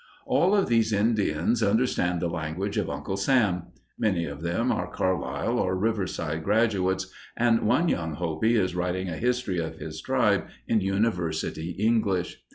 All of these Indians understand the language of Uncle Sam. Many of them are Carlisle or Riverside graduates, and one young Hopi is writing a history of his tribe in university English.